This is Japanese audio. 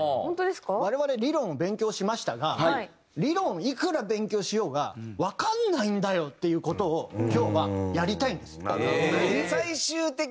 我々理論を勉強しましたが理論をいくら勉強しようがわかんないんだよっていう事を今日はやりたいんですよ。